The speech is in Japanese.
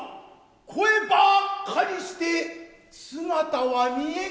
声ばっかりして姿は見えんが。